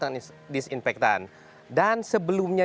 dengan disinfektan dan sebelumnya